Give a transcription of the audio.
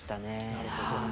なるほど。